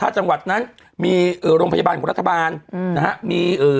จังหวัดนั้นมีเอ่อโรงพยาบาลของรัฐบาลอืมนะฮะมีเอ่อ